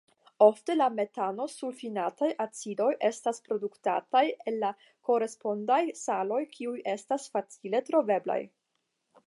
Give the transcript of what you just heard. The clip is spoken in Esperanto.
Ofte la metanosulfinataj acidoj estas produktataj el la korespondaj saloj kiuj estas facile troveblaj.